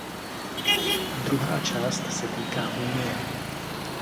Druhá část se týká Unie.